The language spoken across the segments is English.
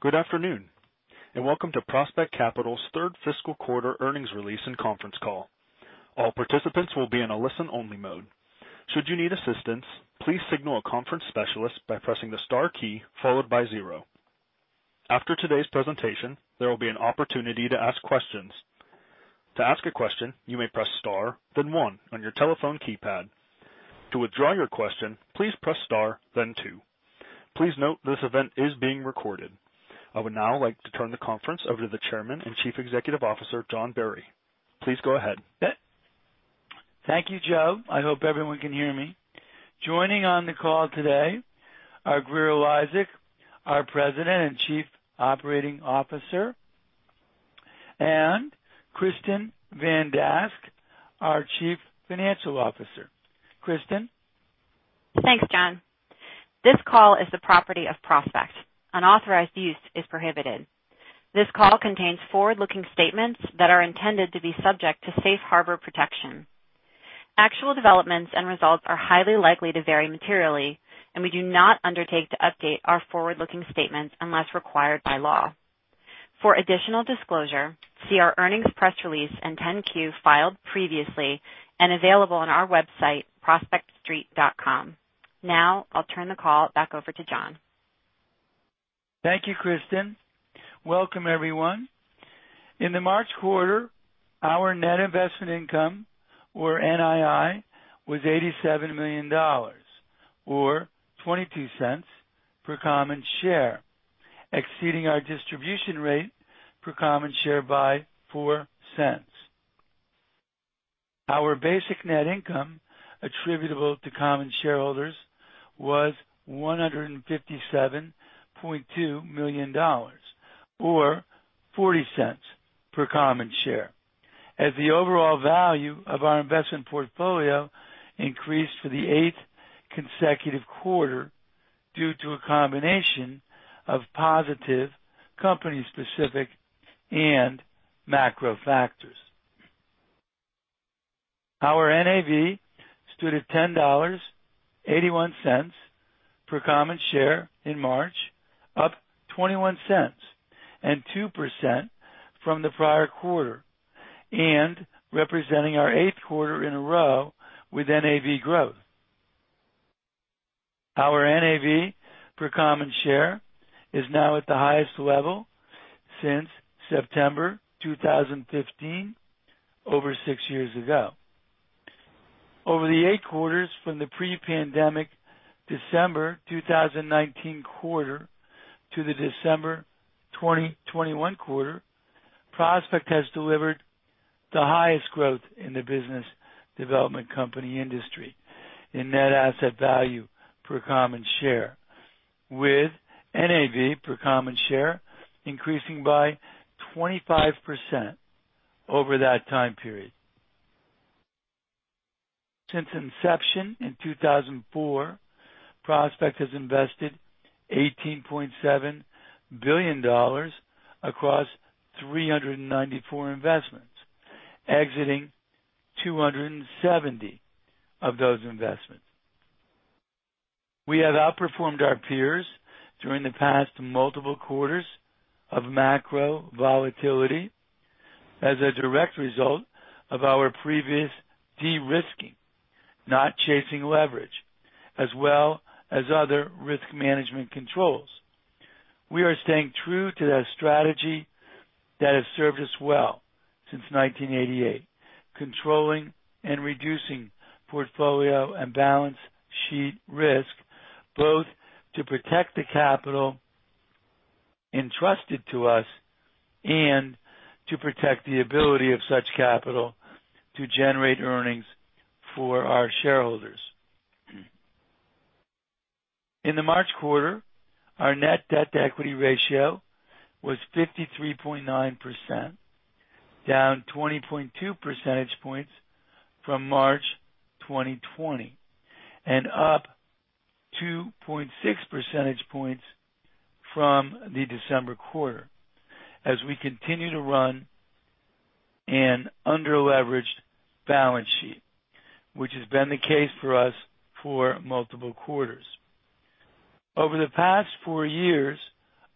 Good afternoon, and welcome to Prospect Capital's third fiscal quarter earnings release and conference call. All participants will be in a listen-only mode. Should you need assistance, please signal a conference specialist by pressing the star key followed by zero. After today's presentation, there will be an opportunity to ask questions. To ask a question, you may press star, then one on your telephone keypad. To withdraw your question, please press star, then two. Please note, this event is being recorded. I would now like to turn the conference over to the Chairman and Chief Executive Officer, John Barry. Please go ahead. Thank you, Joe. I hope everyone can hear me. Joining on the call today are Grier Eliasek, our President and Chief Operating Officer, and Kristin Van Dask, our Chief Financial Officer. Kristin. Thanks, John. This call is the property of Prospect. Unauthorized use is prohibited. This call contains forward-looking statements that are intended to be subject to safe harbor protection. Actual developments and results are highly likely to vary materially, and we do not undertake to update our forward-looking statements unless required by law. For additional disclosure, see our earnings press release and 10-Q filed previously and available on our website prospectstreet.com. Now I'll turn the call back over to John. Thank you, Kristin. Welcome, everyone. In the March quarter, our net investment income, or NII, was $87 million or $0.22 per common share, exceeding our distribution rate per common share by $0.04. Our basic net income attributable to common shareholders was $157.2 million, or $0.40 per common share. As the overall value of our investment portfolio increased for the 8th consecutive quarter due to a combination of positive company-specific and macro factors. Our NAV stood at $10.81 per common share in March, up $0.21 and 2% from the prior quarter, and representing our 8th quarter in a row with NAV growth. Our NAV per common share is now at the highest level since September 2015, over six years ago. Over the eight quarters from the pre-pandemic December 2019 quarter to the December 2021 quarter, Prospect has delivered the highest growth in the business development company industry in net asset value per common share, with NAV per common share increasing by 25% over that time period. Since inception in 2004, Prospect has invested $18.7 billion across 394 investments, exiting 270 of those investments. We have outperformed our peers during the past multiple quarters of macro volatility as a direct result of our previous de-risking, not chasing leverage, as well as other risk management controls. We are staying true to that strategy that has served us well since 1988, controlling and reducing portfolio and balance sheet risk, both to protect the capital entrusted to us and to protect the ability of such capital to generate earnings for our shareholders. In the March quarter, our net debt-to-equity ratio was 53.9%, down 20.2 percentage points from March 2020, and up 2.6 percentage points from the December quarter as we continue to run an under-leveraged balance sheet, which has been the case for us for multiple quarters. Over the past four years,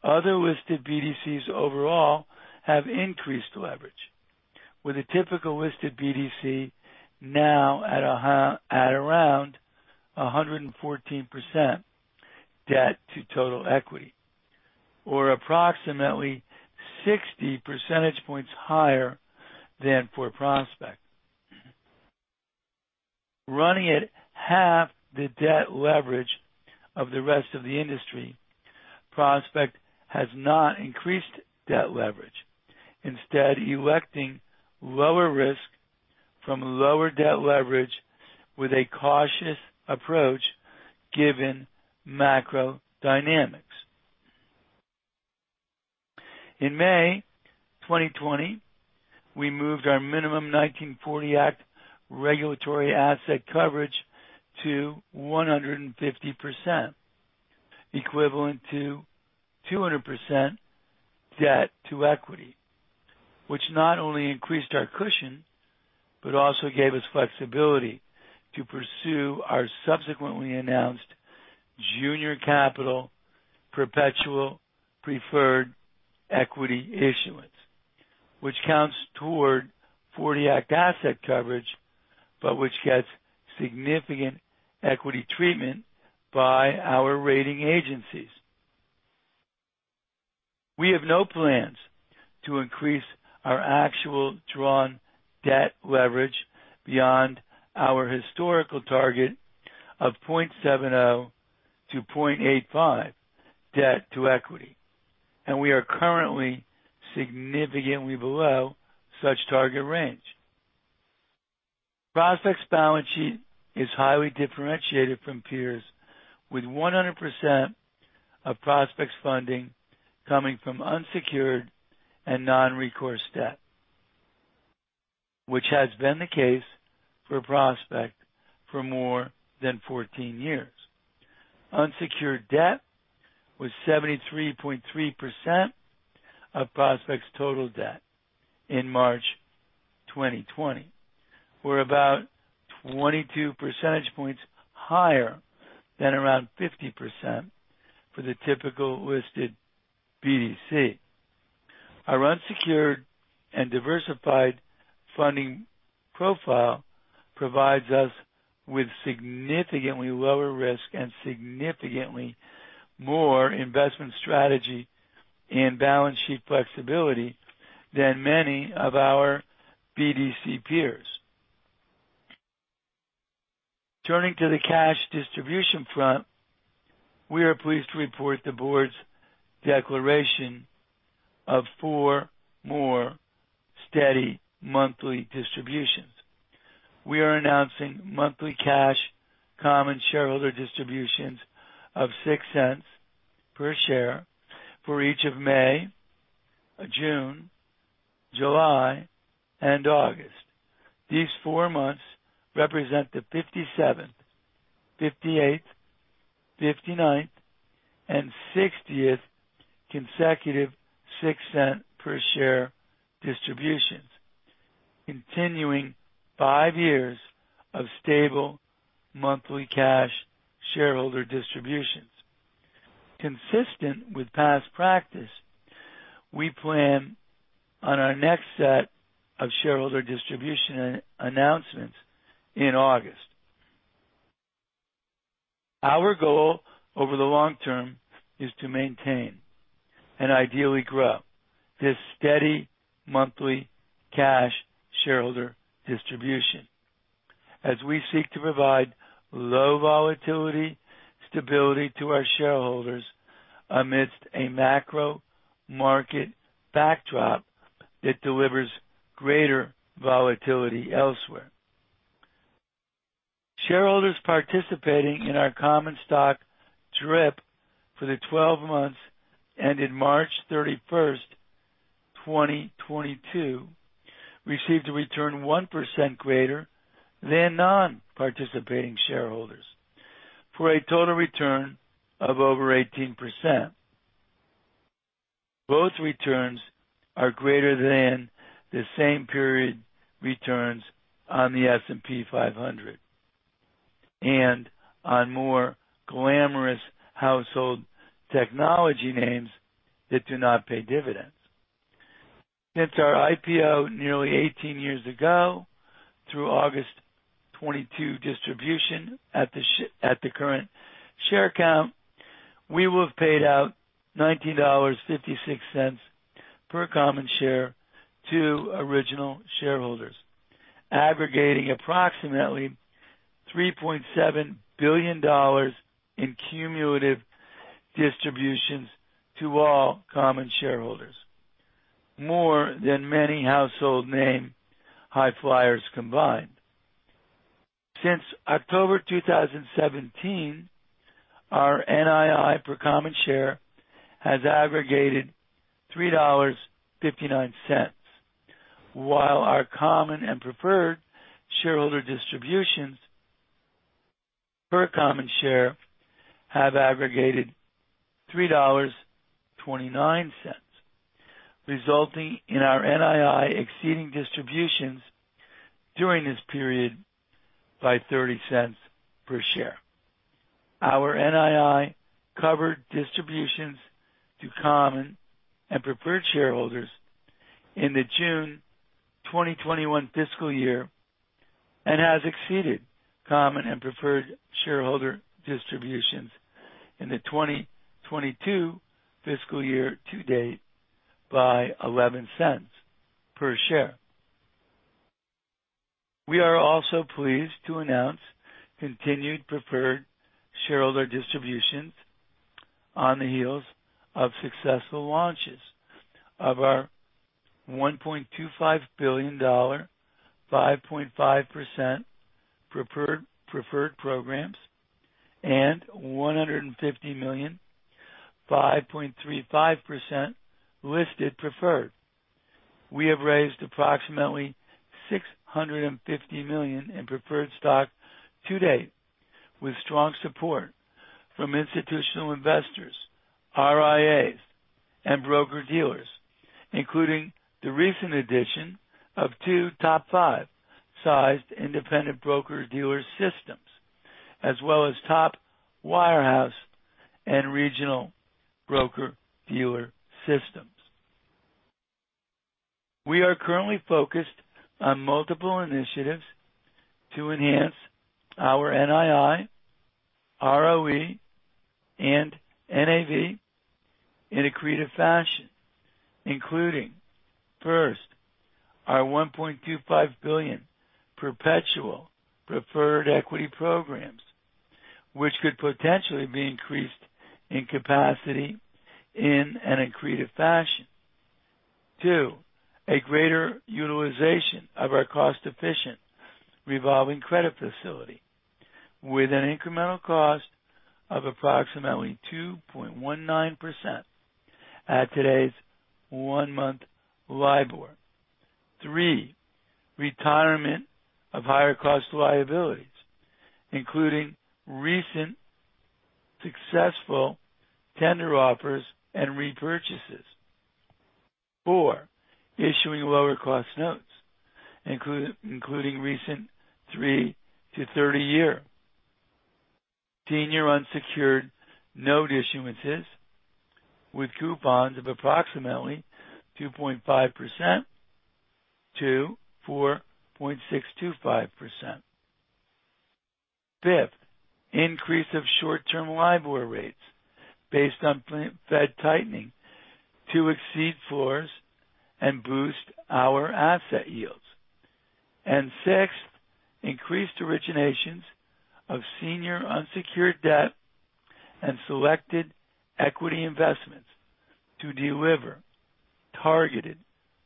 other listed BDCs overall have increased leverage, with a typical listed BDC now at around 114% debt to total equity, or approximately 60 percentage points higher than for Prospect. Running at 1/2 the debt leverage of the rest of the industry, Prospect has not increased debt leverage, instead electing lower risk from lower debt leverage with a cautious approach given macro dynamics. In May 2020, we moved our minimum 1940 Act regulatory asset coverage to 150%, equivalent to 200% debt to equity, which not only increased our cushion but also gave us flexibility to pursue our subsequently announced junior capital perpetual preferred equity issuance, which counts toward 1940 Act asset coverage, but which gets significant equity treatment by our rating agencies. We have no plans to increase our actual drawn debt leverage beyond our historical target of 0.70-0.85 debt to equity. We are currently significantly below such target range. Prospect's balance sheet is highly differentiated from peers with 100% of Prospect's funding coming from unsecured and non-recourse debt, which has been the case for Prospect for more than 14 years. Unsecured debt was 73.3% of Prospect's total debt in March 2020. We're about 22 percentage points higher than around 50% for the typical listed BDC. Our unsecured and diversified funding profile provides us with significantly lower risk and significantly more investment strategy and balance sheet flexibility than many of our BDC peers. Turning to the cash distribution front, we are pleased to report the board's declaration of four more steady monthly distributions. We are announcing monthly cash common shareholder distributions of $0.06 per share for each of May, June, July, and August. These four months represent the 57th, 58th, 59th, and 60th consecutive $0.06 per share distributions, continuing five years of stable monthly cash shareholder distributions. Consistent with past practice, we plan on our next set of shareholder distribution announcements in August. Our goal over the long term is to maintain and ideally grow this steady monthly cash shareholder distribution as we seek to provide low volatility stability to our shareholders amidst a macro market backdrop that delivers greater volatility elsewhere. Shareholders participating in our common stock DRIP for the 12 months ended March 31st, 2022 received a return 1% greater than non-participating shareholders, for a total return of over 18%. Both returns are greater than the same period returns on the S&P 500 and on more glamorous household technology names that do not pay dividends. Since our IPO nearly 18 years ago, through August 2022 distribution at the current share count, we will have paid out $19.56 per common share to original shareholders, aggregating approximately $3.7 billion in cumulative distributions to all common shareholders. More than many household name high flyers combined. Since October 2017, our NII per common share has aggregated $3.59, while our common and preferred shareholder distributions per common share have aggregated $3.29, resulting in our NII exceeding distributions during this period by $0.30 per share. Our NII covered distributions to common and preferred shareholders in the June 2021 fiscal year, and has exceeded common and preferred shareholder distributions in the 2022 fiscal year to date by $0.11 per share. We are also pleased to announce continued preferred shareholder distributions on the heels of successful launches of our $1.25 billion, 5.5% preferred programs and $150 million, 5.35% listed preferred. We have raised approximately $650 million in preferred stock to date. With strong support from institutional investors, RIAs, and broker-dealers, including the recent addition of two top five sized independent broker-dealer systems, as well as top wirehouse and regional broker-dealer systems. We are currently focused on multiple initiatives to enhance our NII, ROE, and NAV in accretive fashion, including, first, our $1.25 billion perpetual preferred equity programs, which could potentially be increased in capacity in an accretive fashion. Two, a greater utilization of our cost-efficient revolving credit facility with an incremental cost of approximately 2.19% at today's one-month LIBOR. Three, retirement of higher cost liabilities, including recent successful tender offers and repurchases. Four, issuing lower cost notes, including recent three to 30-year senior unsecured note issuances with coupons of approximately 2.5%-4.625%. Fifth, increase of short-term LIBOR rates based on Fed tightening to exceed floors and boost our asset yields. Sixth, increased originations of senior unsecured debt and selected equity investments to deliver targeted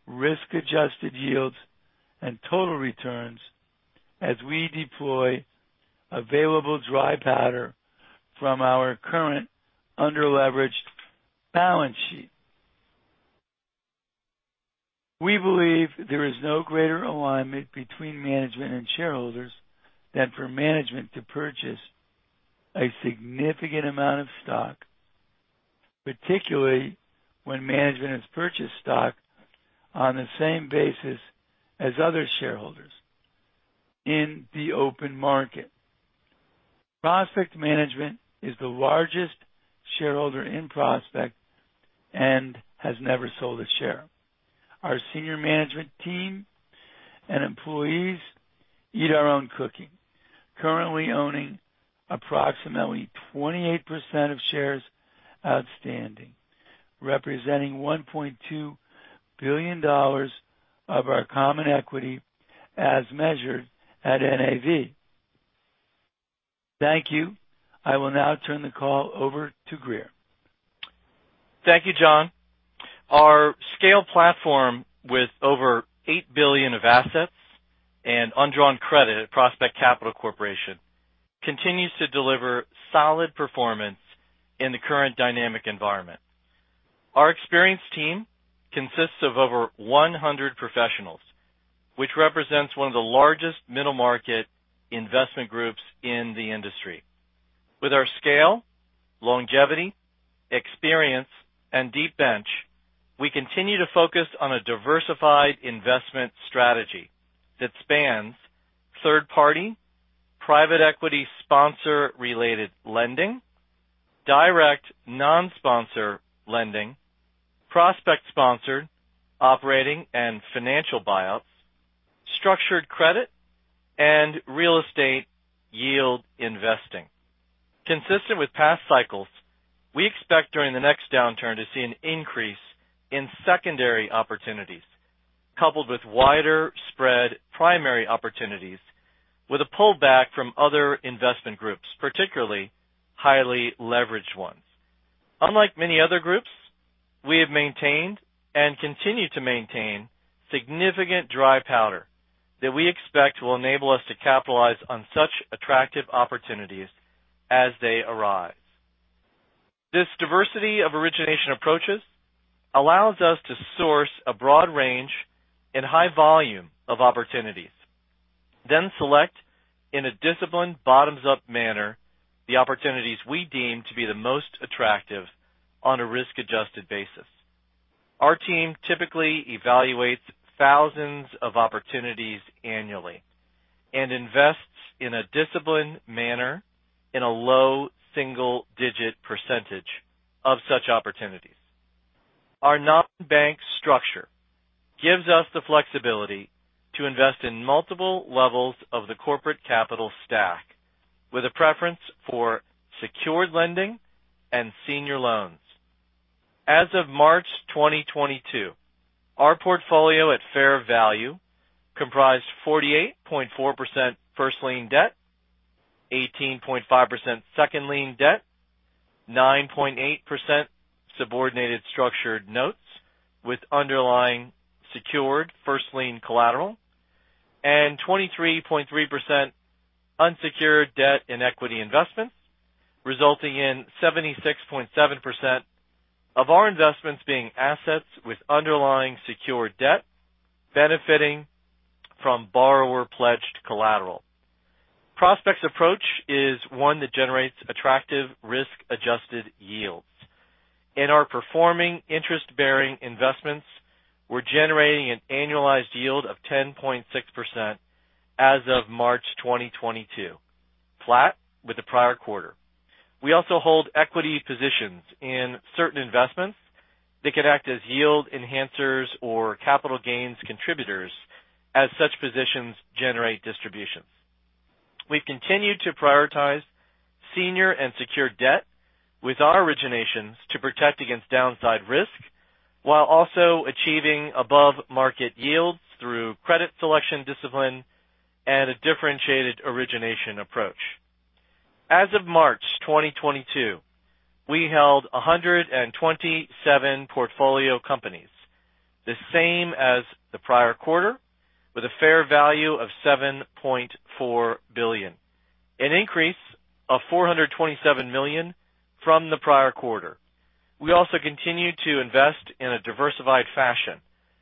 risk-adjusted yields and total returns as we deploy available dry powder from our current under-leveraged balance sheet. We believe there is no greater alignment between management and shareholders than for management to purchase a significant amount of stock, particularly when management has purchased stock on the same basis as other shareholders in the open market. Prospect Management is the largest shareholder in Prospect and has never sold a share. Our senior management team and employees eat our own cooking, currently owning approximately 28% of shares outstanding, representing $1.2 billion of our common equity as measured at NAV. Thank you. I will now turn the call over to Grier. Thank you, John. Our scale platform with over $8 billion of assets and undrawn credit at Prospect Capital Corporation continues to deliver solid performance in the current dynamic environment. Our experienced team consists of over 100 professionals, which represents one of the largest middle-market investment groups in the industry. With our scale, longevity, experience, and deep bench, we continue to focus on a diversified investment strategy that spans third-party, private equity sponsor-related lending, direct non-sponsor lending, Prospect-sponsored operating and financial buyouts, structured credit, and real estate yield investing. Consistent with past cycles, we expect during the next downturn to see an increase in secondary opportunities, coupled with wider spread primary opportunities with a pullback from other investment groups, particularly highly leveraged ones. Unlike many other groups, we have maintained and continue to maintain significant dry powder that we expect will enable us to capitalize on such attractive opportunities as they arise. This diversity of origination approaches allows us to source a broad range and high volume of opportunities, then select in a disciplined bottoms-up manner the opportunities we deem to be the most attractive on a risk-adjusted basis. Our team typically evaluates thousands of opportunities annually and invests in a disciplined manner in a low single-digit percentage of such opportunities. Our non-bank structure gives us the flexibility to invest in multiple levels of the corporate capital stack with a preference for secured lending and senior loans. As of March 2022, our portfolio at fair value comprised 48.4% first-lien debt, 18.5% second-lien debt, 9.8% subordinated structured notes with underlying secured first-lien collateral, and 23.3% unsecured debt and equity investments. Resulting in 76.7% of our investments being assets with underlying secured debt benefiting from borrower-pledged collateral. Prospect's approach is one that generates attractive risk-adjusted yields. In our performing interest-bearing investments, we're generating an annualized yield of 10.6% as of March 2022, flat with the prior quarter. We also hold equity positions in certain investments that could act as yield enhancers or capital gains contributors as such positions generate distributions. We've continued to prioritize senior and secured debt with our originations to protect against downside risk, while also achieving above-market yields through credit selection discipline and a differentiated origination approach. As of March 2022, we held 127 portfolio companies, the same as the prior quarter, with a fair value of $7.4 billion, an increase of $427 million from the prior quarter. We also continue to invest in a diversified fashion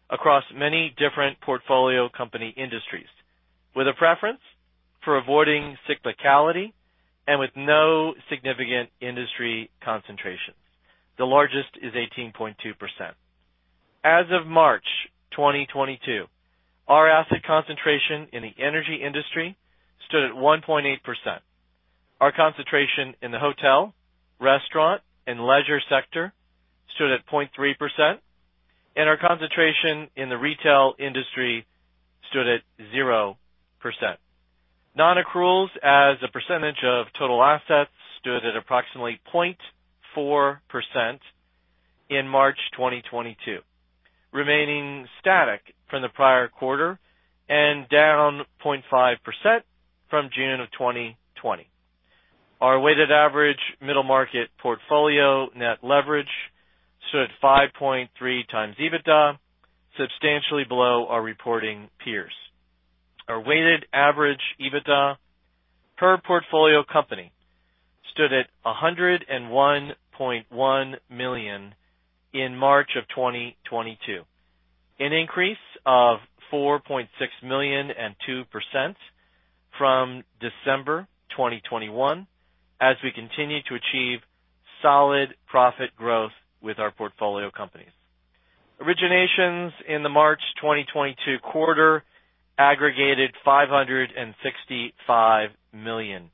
across many different portfolio company industries, with a preference for avoiding cyclicality and with no significant industry concentrations. The largest is 18.2%. As of March 2022, our asset concentration in the energy industry stood at 1.8%. Our concentration in the hotel, restaurant, and leisure sector stood at 0.3%, and our concentration in the retail industry stood at 0%. Non-accruals as a percentage of total assets stood at approximately 0.4% in March 2022, remaining static from the prior quarter and down 0.5% from June of 2020. Our weighted average middle market portfolio net leverage stood 5.3x EBITDA, substantially below our reporting peers. Our weighted average EBITDA per portfolio company stood at $101.1 million in March 2022, an increase of $4.6 million and 2% from December 2021 as we continue to achieve solid profit growth with our portfolio companies. Originations in the March 2022 quarter aggregated $565 million.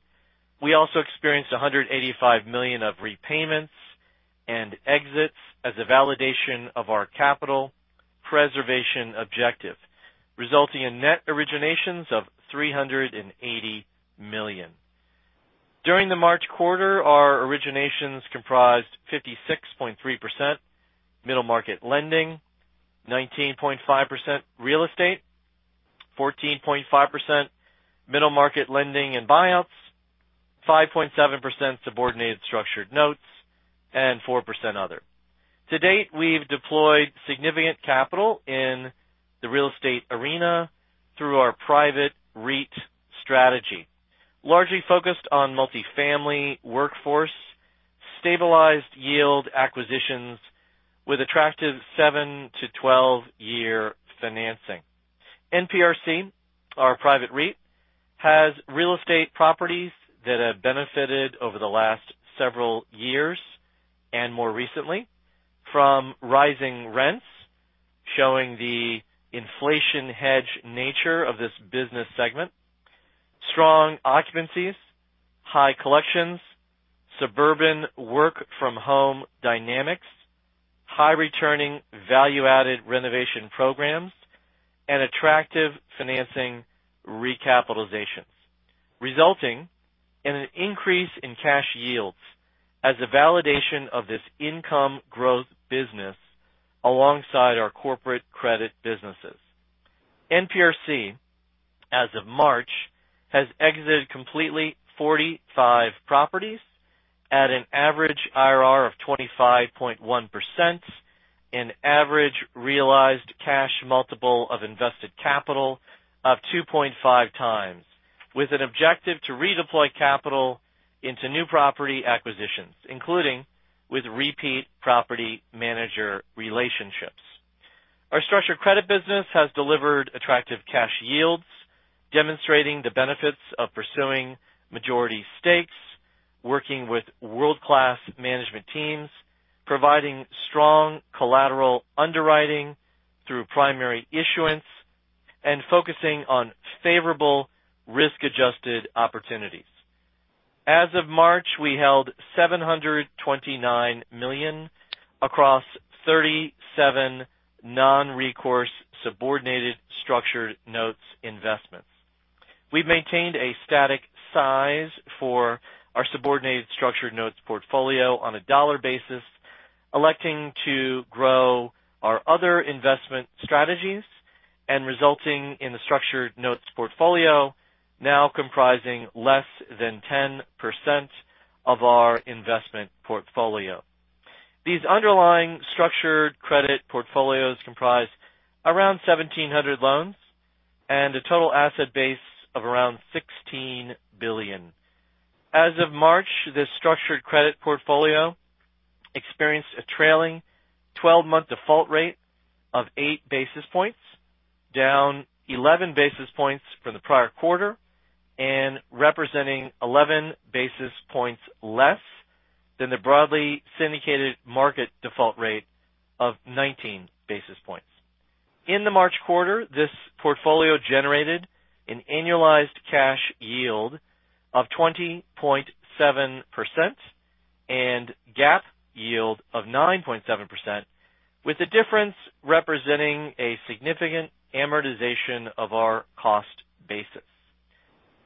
We also experienced $185 million of repayments and exits as a validation of our capital preservation objective, resulting in net originations of $380 million. During the March quarter, our originations comprised 56.3% middle market lending, 19.5% real estate, 14.5% middle market lending and buyouts, 5.7% subordinated structured notes, and 4% other. To date, we've deployed significant capital in the real estate arena through our private REIT strategy, largely focused on multi-family workforce, stabilized yield acquisitions with attractive seven to 12-year financing. NPRC, our private REIT, has real estate properties that have benefited over the last several years and more recently from rising rents, showing the inflation hedge nature of this business segment. Strong occupancies, high collections, suburban work-from-home dynamics, high returning value-added renovation programs, and attractive financing recapitalizations, resulting in an increase in cash yields as a validation of this income growth business alongside our corporate credit businesses. NPRC, as of March, has exited completely 45 properties at an average IRR of 25.1%, an average realized cash multiple of invested capital of 2.5x, with an objective to redeploy capital into new property acquisitions, including with repeat property manager relationships. Our structured credit business has delivered attractive cash yields, demonstrating the benefits of pursuing majority stakes, working with world-class management teams, providing strong collateral underwriting through primary issuance, and focusing on favorable risk-adjusted opportunities. As of March, we held $729 million across 37 non-recourse subordinated structured notes investments. We've maintained a static size for our subordinated structured notes portfolio on a dollar basis, electing to grow our other investment strategies and resulting in the structured notes portfolio now comprising less than 10% of our investment portfolio. These underlying structured credit portfolios comprise around 1,700 loans and a total asset base of around $16 billion. As of March, this structured credit portfolio experienced a trailing 12-month default rate of 8 basis points, down 11 basis points from the prior quarter, and representing 11 basis points less than the broadly syndicated market default rate of 19 basis points. In the March quarter, this portfolio generated an annualized cash yield of 20.7% and GAAP yield of 9.7%, with the difference representing a significant amortization of our cost basis.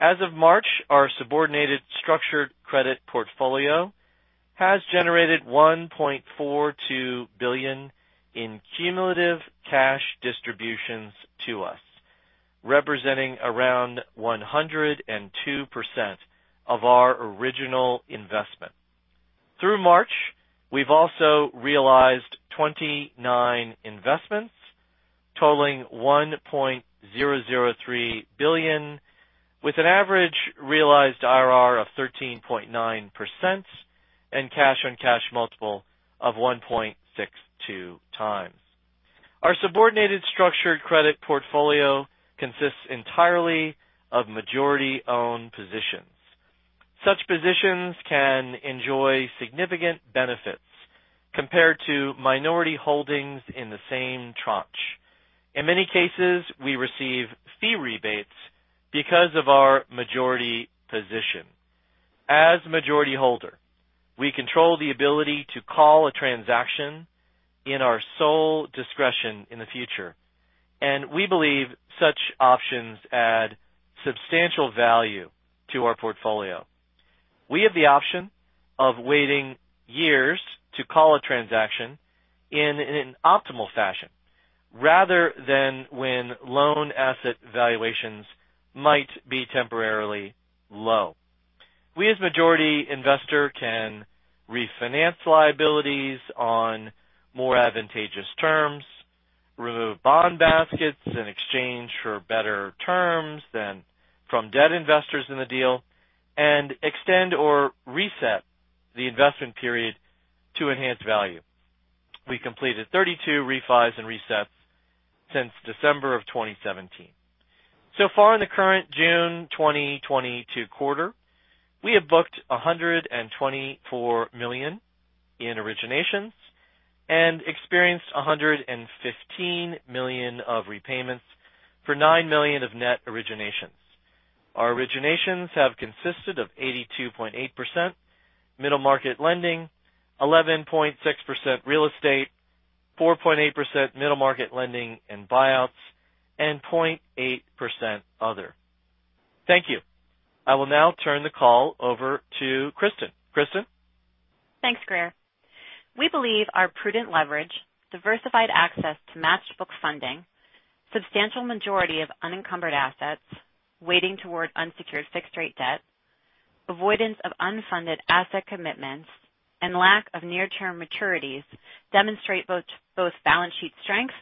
As of March, our subordinated structured credit portfolio has generated $1.42 billion in cumulative cash distributions to us, representing around 102% of our original investment. Through March, we've also realized 29 investments totaling $1.003 billion, with an average realized IRR of 13.9% and cash-on-cash multiple of 1.62x. Our subordinated structured credit portfolio consists entirely of majority-owned positions. Such positions can enjoy significant benefits compared to minority holdings in the same tranche. In many cases, we receive fee rebates because of our majority position. As majority holder, we control the ability to call a transaction in our sole discretion in the future, and we believe such options add substantial value to our portfolio. We have the option of waiting years to call a transaction in an optimal fashion, rather than when loan asset valuations might be temporarily low. We, as majority investor, can refinance liabilities on more advantageous terms, remove bond baskets in exchange for better terms than from debt investors in the deal, and extend or reset the investment period to enhance value. We completed 32 refis and resets since December 2017. So far in the current June 2022 quarter, we have booked $124 million in originations and experienced $115 million of repayments for $9 million of net originations. Our originations have consisted of 82.8% middle market lending, 11.6% real estate, 4.8% middle market lending and buyouts, and 0.8% other. Thank you. I will now turn the call over to Kristin. Kristin. Thanks, Grier. We believe our prudent leverage, diversified access to matched book funding, substantial majority of unencumbered assets weighting toward unsecured fixed-rate debt, avoidance of unfunded asset commitments, and lack of near-term maturities demonstrate both balance sheet strengths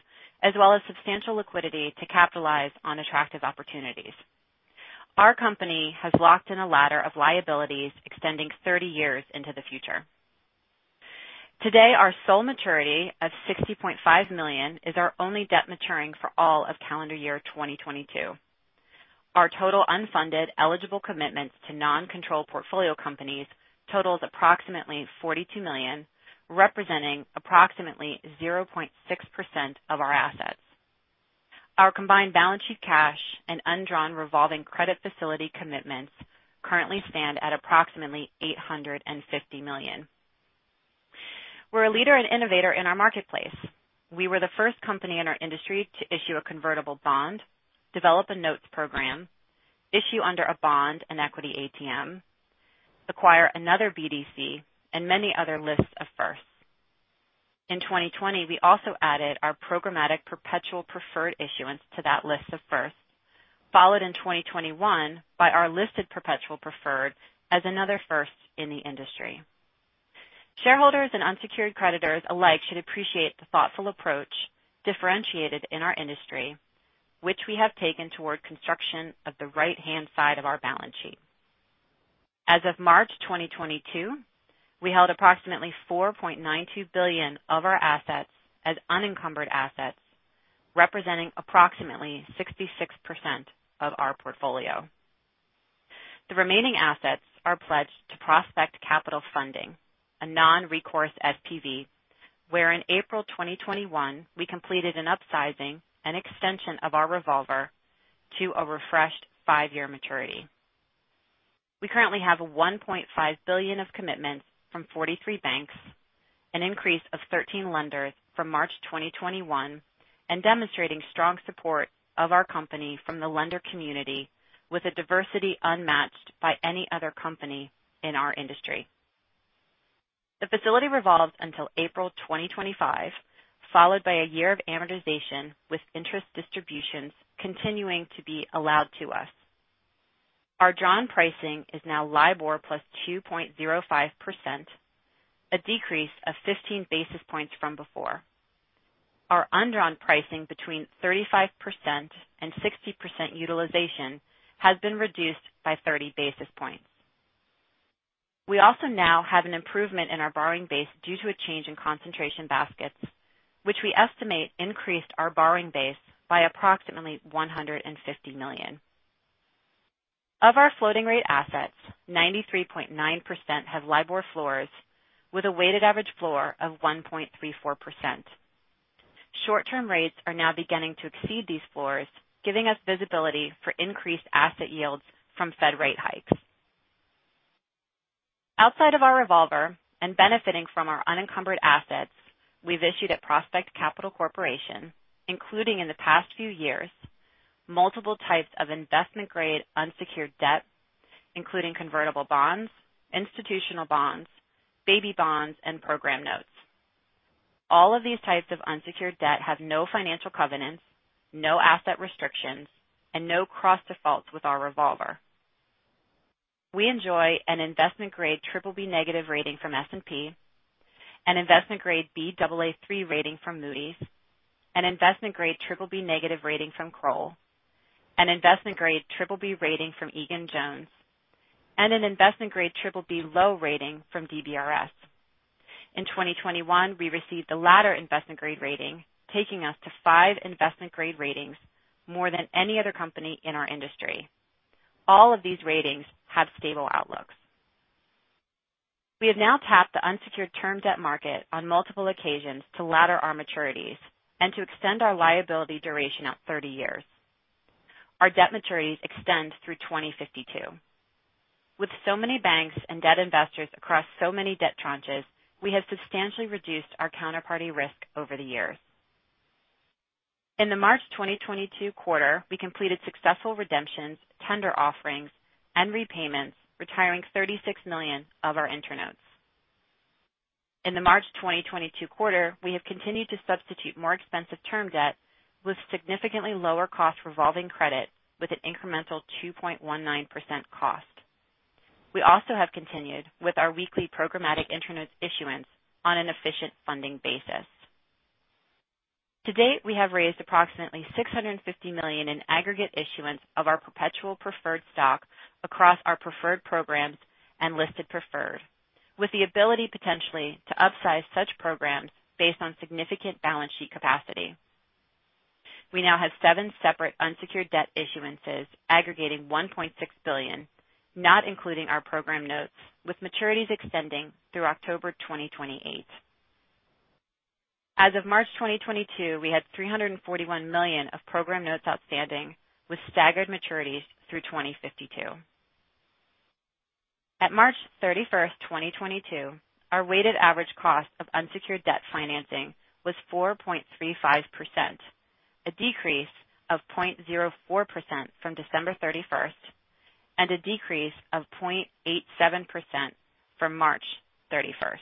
as well as substantial liquidity to capitalize on attractive opportunities. Our company has locked in a ladder of liabilities extending 30 years into the future. Today, our sole maturity of $60.5 million is our only debt maturing for all of calendar year 2022. Our total unfunded eligible commitments to non-control portfolio companies totals approximately $42 million, representing approximately 0.6% of our assets. Our combined balance sheet cash and undrawn revolving credit facility commitments currently stand at approximately $850 million. We're a leader and innovator in our marketplace. We were the first company in our industry to issue a convertible bond, develop a notes program, issue under a bond and equity ATM, acquire another BDC, and many other lists of firsts. In 2020, we also added our programmatic perpetual preferred issuance to that list of firsts, followed in 2021 by our listed perpetual preferred as another first in the industry. Shareholders and unsecured creditors alike should appreciate the thoughtful approach differentiated in our industry, which we have taken toward construction of the right-hand side of our balance sheet. As of March 2022, we held approximately $4.92 billion of our assets as unencumbered assets, representing approximately 66% of our portfolio. The remaining assets are pledged to Prospect Capital Funding, a non-recourse SPV, where in April 2021, we completed an upsizing and extension of our revolver to a refreshed five-year maturity. We currently have $1.5 billion of commitments from 43 banks, an increase of 13 lenders from March 2021, and demonstrating strong support of our company from the lender community with a diversity unmatched by any other company in our industry. The facility revolves until April 2025, followed by a year of amortization, with interest distributions continuing to be allowed to us. Our drawn pricing is now LIBOR + 2.05%, a decrease of 15 basis points from before. Our undrawn pricing between 35% and 60% utilization has been reduced by 30 basis points. We also now have an improvement in our borrowing base due to a change in concentration baskets, which we estimate increased our borrowing base by approximately $150 million. Of our floating rate assets, 93.9% have LIBOR floors with a weighted average floor of 1.34%. Short-term rates are now beginning to exceed these floors, giving us visibility for increased asset yields from Fed rate hikes. Outside of our revolver and benefiting from our unencumbered assets, we've issued at Prospect Capital Corporation, including in the past few years, multiple types of investment-grade unsecured debt, including convertible bonds, institutional bonds, baby bonds, and program notes. All of these types of unsecured debt have no financial covenants, no asset restrictions, and no cross defaults with our revolver. We enjoy an investment-grade BBB negative rating from S&P, an investment-grade Baa3 rating from Moody's, an investment-grade BBB negative rating from Kroll, an investment-grade BBB rating from Egan-Jones, and an investment-grade BBB low rating from DBRS. In 2021, we received the latter investment grade rating, taking us to five investment grade ratings, more than any other company in our industry. All of these ratings have stable outlooks. We have now tapped the unsecured term debt market on multiple occasions to ladder our maturities and to extend our liability duration out 30 years. Our debt maturities extend through 2052. With so many banks and debt investors across so many debt tranches, we have substantially reduced our counterparty risk over the years. In the March 2022 quarter, we completed successful redemptions, tender offerings, and repayments, retiring $36 million of our InterNotes. In the March 2022 quarter, we have continued to substitute more expensive term debt with significantly lower cost revolving credit with an incremental 2.19% cost. We also have continued with our weekly programmatic InterNotes issuance on an efficient funding basis. To date, we have raised approximately $650 million in aggregate issuance of our perpetual preferred stock across our preferred programs and listed preferred, with the ability potentially to upsize such programs based on significant balance sheet capacity. We now have seven separate unsecured debt issuances aggregating $1.6 billion, not including our program notes, with maturities extending through October 2028. As of March 2022, we had $341 million of program notes outstanding, with staggered maturities through 2052. At March 31st, 2022, our weighted average cost of unsecured debt financing was 4.35%, a decrease of 0.04% from December 31st, and a decrease of 0.87% from March 31st.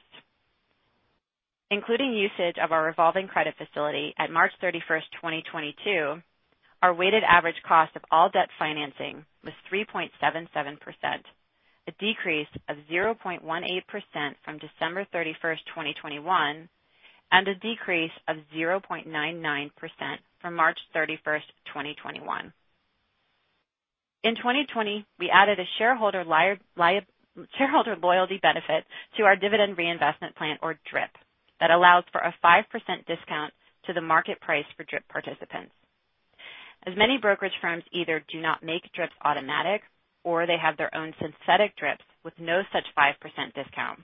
Including usage of our revolving credit facility at March 31st, 2022, our weighted average cost of all debt financing was 3.77%, a decrease of 0.18% from December 31st, 2021, and a decrease of 0.99% from March 31st, 2021. In 2020, we added a shareholder loyalty benefit to our dividend reinvestment plan, or DRIP, that allows for a 5% discount to the market price for DRIP participants. As many brokerage firms either do not make DRIPs automatic or they have their own synthetic DRIPs with no such 5% discount,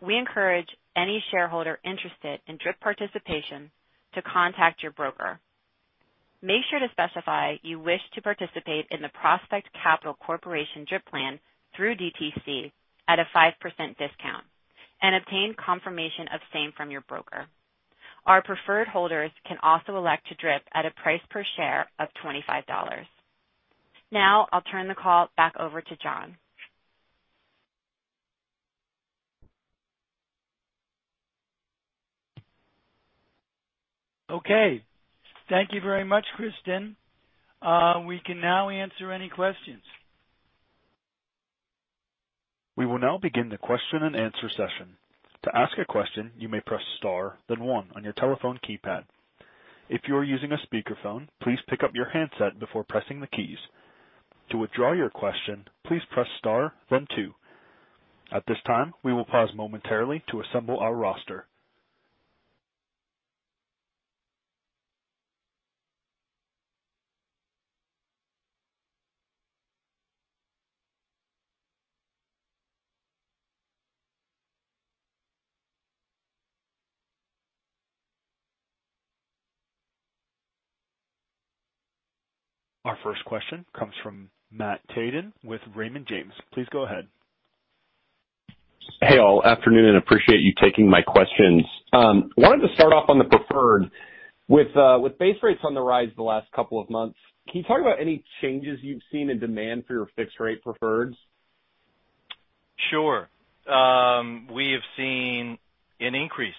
we encourage any shareholder interested in DRIP participation to contact your broker. Make sure to specify you wish to participate in the Prospect Capital Corporation DRIP plan through DTC at a 5% discount and obtain confirmation of same from your broker. Our preferred holders can also elect to DRIP at a price per share of $25. Now I'll turn the call back over to John. Okay. Thank you very much, Kristin. We can now answer any questions. We will now begin the question-and-answer session. To ask a question, you may press star, then one on your telephone keypad. If you are using a speakerphone, please pick up your handset before pressing the keys. To withdraw your question, please press star, then two. At this time, we will pause momentarily to assemble our roster. Our first question comes from Matt Tjaden with Raymond James. Please go ahead. Hey, all. Afternoon. Appreciate you taking my questions. Wanted to start off on the preferred. With base rates on the rise the last couple of months, can you talk about any changes you've seen in demand for your fixed rate preferreds? Sure. We have seen an increase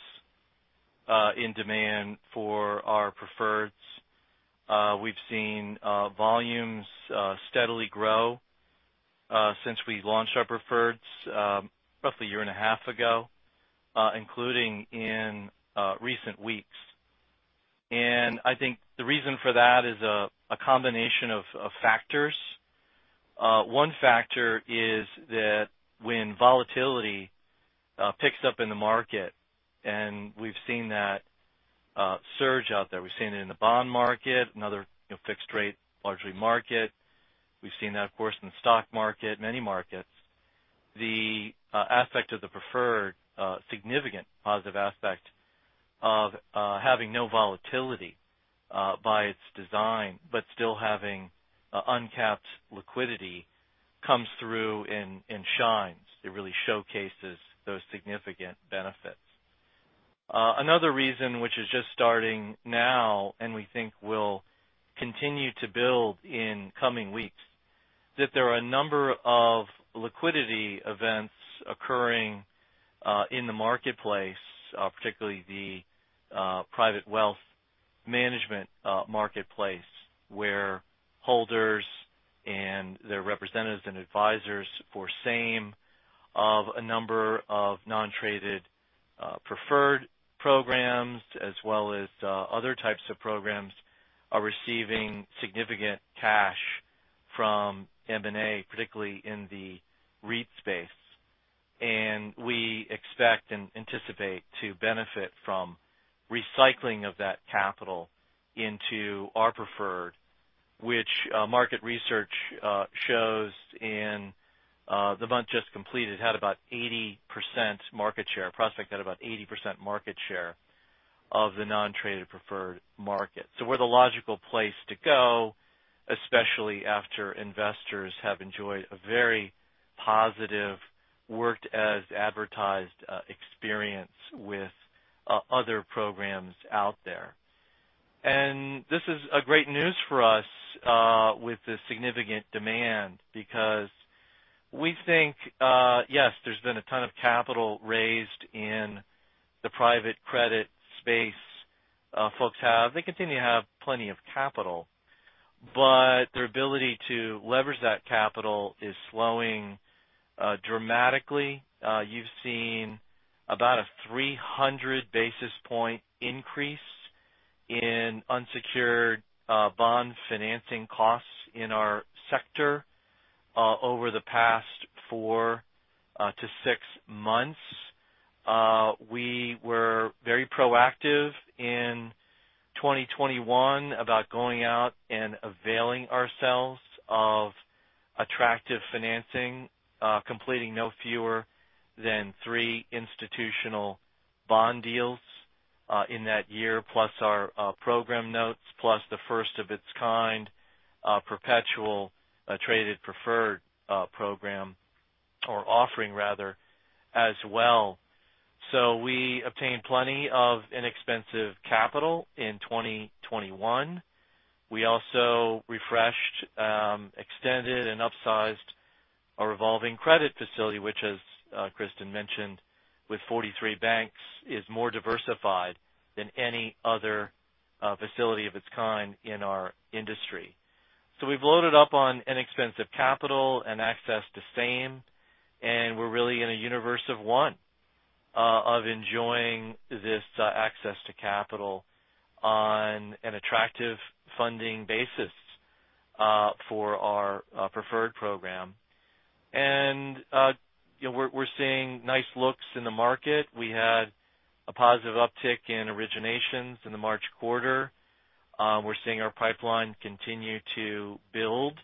in demand for our preferreds. We've seen volumes steadily grow since we launched our preferreds roughly a 1.5 year ago, including in recent weeks. I think the reason for that is a combination of factors. One factor is that when volatility picks up in the market, and we've seen that surge out there. We've seen it in the bond market, another, you know, fixed rate largely market. We've seen that, of course, in the stock market, many markets. The aspect of the preferred significant positive aspect of having no volatility by its design, but still having uncapped liquidity comes through and shines. It really showcases those significant benefits. Another reason which is just starting now, and we think will continue to build in coming weeks, that there are a number of liquidity events occurring, in the marketplace, particularly the, private wealth management, marketplace. Where holders and their representatives and advisors for some of a number of non-traded, preferred programs as well as, other types of programs are receiving significant cash from M&A, particularly in the REIT space. We expect and anticipate to benefit from recycling of that capital into our preferred. Which, market research, shows in, the month just completed, Prospect had about 80% market share of the non-traded preferred market. We're the logical place to go, especially after investors have enjoyed a very positive worked as advertised, experience with other programs out there. This is great news for us with the significant demand because we think, yes, there's been a ton of capital raised in the private credit space. Folks continue to have plenty of capital, but their ability to leverage that capital is slowing dramatically. You've seen about a 300 basis point increase in unsecured bond financing costs in our sector over the past four to six months. We were very proactive in 2021 about going out and availing ourselves of attractive financing, completing no fewer than three institutional bond deals in that year, plus our program notes, plus the first of its kind perpetual traded preferred program or offering rather, as well. We obtained plenty of inexpensive capital in 2021. We also refreshed, extended and upsized our revolving credit facility, which, as Kristin mentioned, with 43 banks, is more diversified than any other facility of its kind in our industry. We've loaded up on inexpensive capital and access to same, and we're really in a universe of one of enjoying this access to capital on an attractive funding basis for our preferred program. You know, we're seeing nice looks in the market. We had a positive uptick in originations in the March quarter. We're seeing our pipeline continue to build.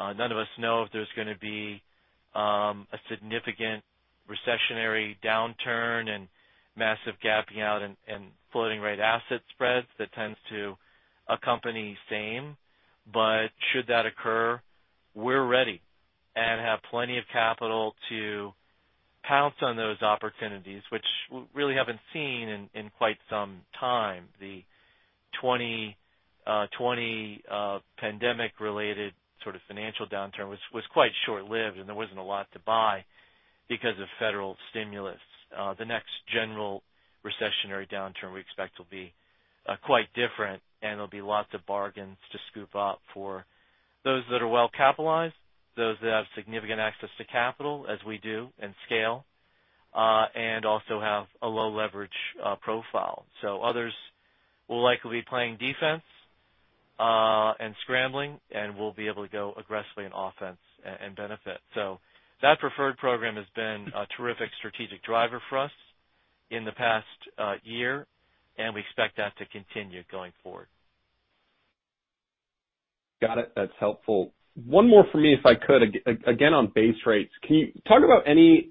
None of us know if there's gonna be a significant recessionary downturn and massive gapping out and floating rate asset spreads that tends to accompany same. Should that occur, we're ready and have plenty of capital to pounce on those opportunities which we really haven't seen in quite some time. The 2020 pandemic-related sort of financial downturn was quite short-lived, and there wasn't a lot to buy because of federal stimulus. The next general recessionary downturn we expect will be quite different, and there'll be lots of bargains to scoop up for those that are well-capitalized, those that have significant access to capital as we do, and scale, and also have a low leverage profile. Others will likely be playing defense and scrambling, and we'll be able to go aggressively in offense and benefit. That preferred program has been a terrific strategic driver for us in the past year, and we expect that to continue going forward. Got it. That's helpful. One more for me, if I could. Again, on base rates, can you talk about any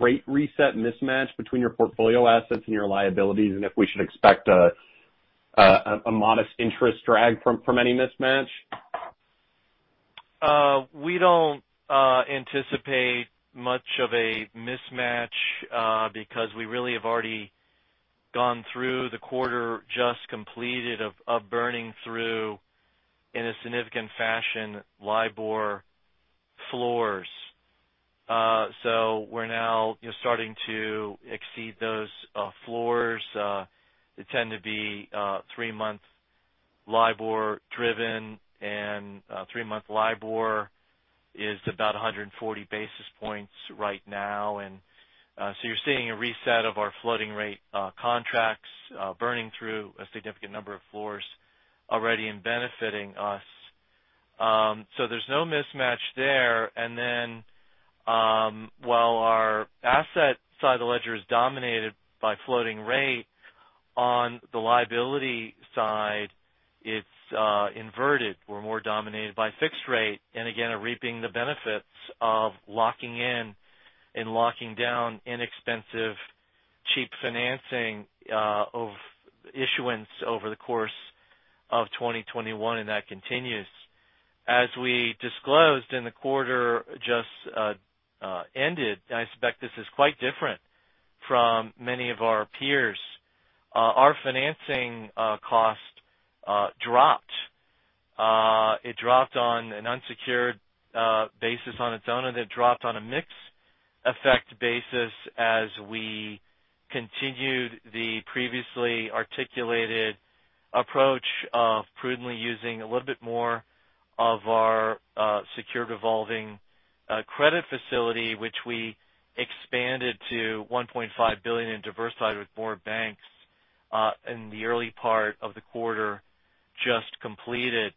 rate reset mismatch between your portfolio assets and your liabilities, and if we should expect a modest interest drag from any mismatch? We don't anticipate much of a mismatch because we really have already gone through the quarter just completed of burning through in a significant fashion LIBOR floors. So we're now, you know, starting to exceed those floors. They tend to be three-month LIBOR driven, and three-month LIBOR is about 140 basis points right now. So you're seeing a reset of our floating rate contracts burning through a significant number of floors already and benefiting us. So there's no mismatch there. Then, while our asset side of the ledger is dominated by floating rate, on the liability side, it's inverted. We're more dominated by fixed rate and again, are reaping the benefits of locking in and locking down inexpensive, cheap financing of issuance over the course of 2021, and that continues. As we disclosed in the quarter just ended, and I suspect this is quite different from many of our peers, our financing cost dropped. It dropped on an unsecured basis on its own, and it dropped on a mix effect basis as we continued the previously articulated approach of prudently using a little bit more of our secured revolving credit facility, which we expanded to $1.5 billion and diversified with more banks in the early part of the quarter just completed.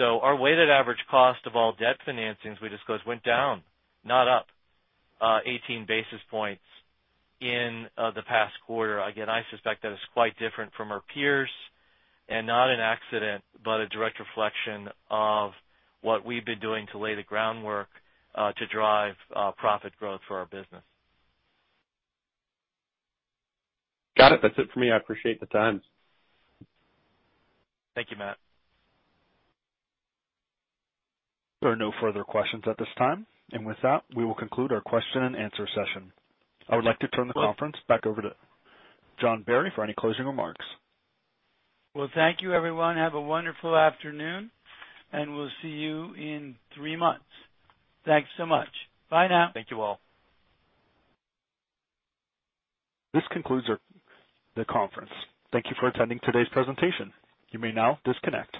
Our weighted average cost of all debt financings we disclosed went down, not up, 18 basis points in the past quarter. Again, I suspect that is quite different from our peers and not an accident, but a direct reflection of what we've been doing to lay the groundwork to drive profit growth for our business. Got it. That's it for me. I appreciate the time. Thank you, Matt. There are no further questions at this time. With that, we will conclude our question and answer session. I would like to turn the conference back over to John Barry for any closing remarks. Well, thank you, everyone. Have a wonderful afternoon, and we'll see you in three months. Thanks so much. Bye now. Thank you all. This concludes the conference. Thank you for attending today's presentation. You may now disconnect.